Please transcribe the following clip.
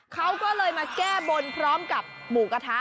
เขาก็เลยมาแก้บนพร้อมกับหมูกระทะ